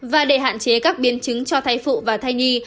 và để hạn chế các biến chứng cho thai phụ và thai nhi